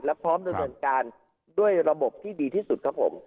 และพร้อมดำเนินการด้วยระบบที่ดีที่สุดครับผม